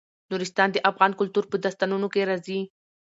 نورستان د افغان کلتور په داستانونو کې راځي.